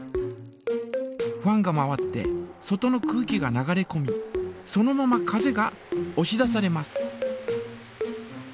ファンが回って外の空気が流れこみそのまま風がおし出されます。